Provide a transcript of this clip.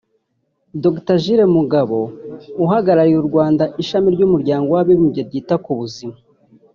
Dr Jules Mugabo uhagarariye mu Rwanda ishami ry’Umuryango w’Abibumbye ryita ku buzima